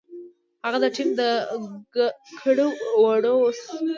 هغه د ټیم د کړو وړو مسؤل دی.